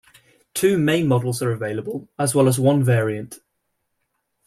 Two main models are available as well as one variant.